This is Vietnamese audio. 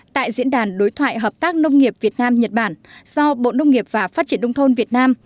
tại diễn đàn đối thoại hợp tác nông nghiệp việt nam nhật bản do bộ nông nghiệp và phát triển nông thôn việt nam